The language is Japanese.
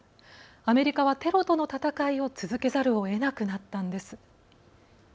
アメリカはテロとの戦いを続けざるをえなくなったんです。